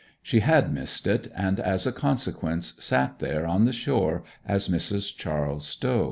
She had missed it, and as a consequence sat here on the shore as Mrs. Charles Stow.